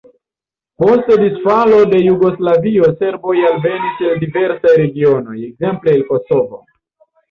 Post disfalo de Jugoslavio serboj alvenis el diversaj regionoj, ekzemple el Kosovo.